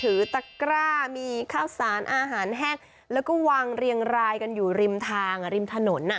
ตะกร้ามีข้าวสารอาหารแห้งแล้วก็วางเรียงรายกันอยู่ริมทางริมถนน